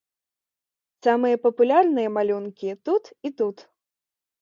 Самыя папулярныя малюнкі тут і тут.